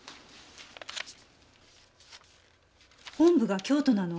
本部が京都なの？